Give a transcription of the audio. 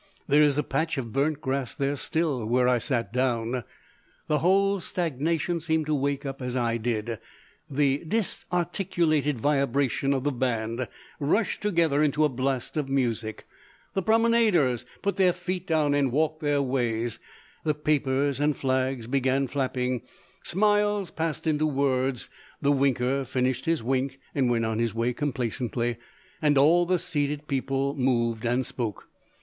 There is a patch of burnt grass there still where I sat down. The whole stagnation seemed to wake up as I did so, the disarticulated vibration of the band rushed together into a blast of music, the promenaders put their feet down and walked their ways, the papers and flags began flapping, smiles passed into words, the winker finished his wink and went on his way complacently, and all the seated people moved and spoke.